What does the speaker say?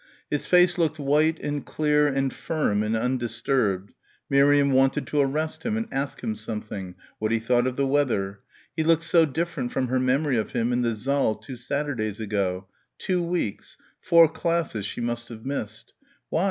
His face looked white and clear and firm and undisturbed, Miriam wanted to arrest him and ask him something what he thought of the weather he looked so different from her memory of him in the saal two Saturdays ago two weeks four classes she must have missed. Why?